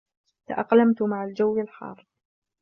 تأقلمت مع الجو الحار.